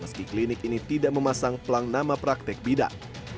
meski klinik ini tidak memasang pelang nama praktek bidang